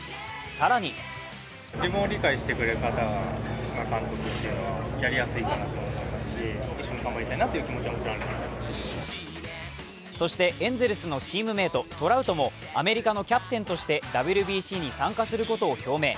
更にそしてエンゼルスのチームメート、トラウトもアメリカのキャプテンとしてＷＢＣに参加することを表明。